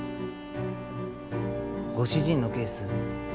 ご主人のケース